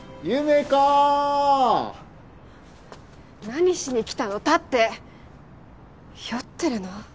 何しに来たの立って酔ってるの？